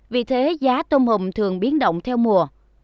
vì thế giá tôm hùm thường biến động theo mùa